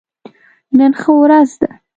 نن ښه ورځ ده